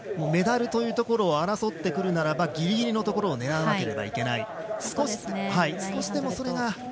メダルというところを争ってくるならばギリギリのところを狙わなければいけない。